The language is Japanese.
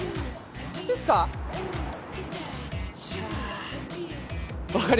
今ですか？